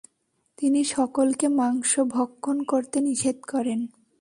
তিনি সকলকে মাংস ভক্ষণ করতে নিষেধ করেন।